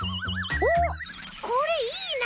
おっこれいいな！